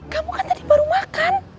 kamu kan tadi baru makan